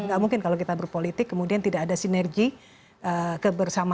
nggak mungkin kalau kita berpolitik kemudian tidak ada sinergi kebersamaan